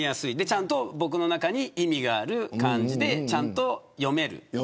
そして僕の中に意味がある漢字でちゃんと読める。